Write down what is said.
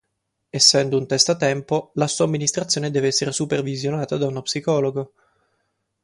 Essendo un test a tempo, la somministrazione deve essere supervisionata da uno psicologo.